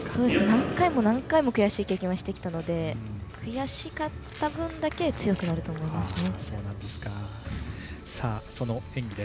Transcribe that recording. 何回も何回も悔しい経験をしてきたので悔しかった分だけ強くなると思いますね。